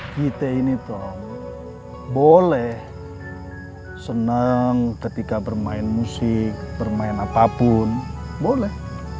kita ini toh boleh senang ketika bermain musik bermain apapun boleh